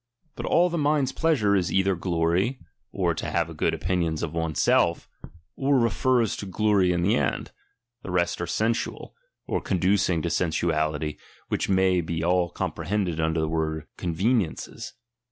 But all the mind's pleasure is either glory, (or to have a good opi nion of one's self), or refers to glory in the end ; the rest are sensual, or conducing to sensuality, which may be all comprehended under the word conveniences.